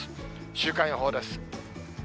週間予報です。